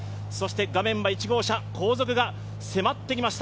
画面は１号車、後続が迫ってきました。